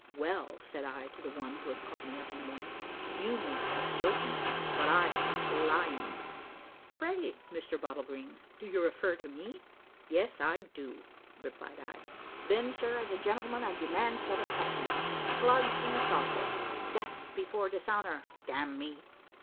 "Well," said I to the one who had called me up in the morning, "you may call it joking, but I call it lying." "Pray, Mr Bottlegreen, do you refer to me?" "Yes, I do," replied I. "Then, sir, as a gentleman I demand satisfaction. Slugs in a saw pit. Death before dishonour, damn me!"